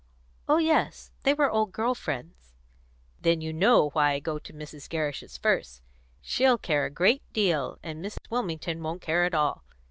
"Oh yes; they were old girl friends." "Then you know why I go to Mrs. Gerrish's first. She'll care a great deal, and Mrs. Wilmington won't care at all.